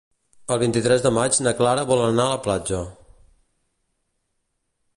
El vint-i-tres de maig na Clara vol anar a la platja.